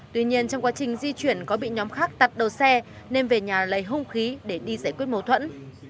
tuy nhiên trong quá trình di chuyển có bị nhóm khác tắt đầu xe nên về nhà lấy hung khí để đi giải quyết mâu thuẫn